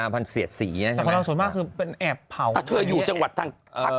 ผันเสียดสีนะใช่ไหมแต่คนเราส่วนมากคือเป็นแอบเผาถ้าเธออยู่จังหวัดทางพัก